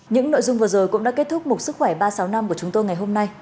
những nội dung vừa rồi cũng đã kết thúc một sức khỏe ba trăm sáu mươi năm của chúng tôi ngày hôm nay